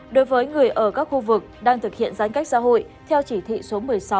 đối với người ở các khu vực đang thực hiện giãn cách xã hội theo chỉ thị số một mươi sáu